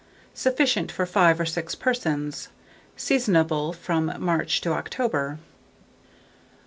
Sufficient for 5 or 6 persons. Seasonable from March to October.